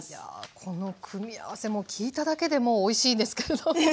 この組み合わせも聞いただけでもうおいしいですけれど。